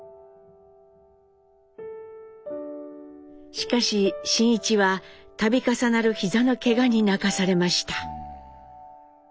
しかし真一は度重なる膝のけがに泣かされました。